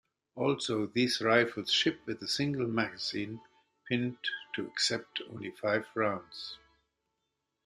Also these rifles ship with a single magazine pinned to accept only five rounds.